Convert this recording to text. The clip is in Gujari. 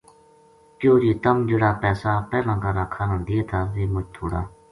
کہیو جے تم جہڑا پیسا پہلاں کا راکھا نا دیے تھا ویہ مُچ تھوڑا